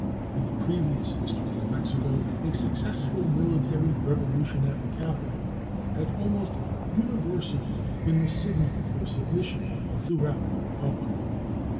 In the previous history of Mexico a successful military revolution at the capital had almost universally been the signal for submission throughout the Republic.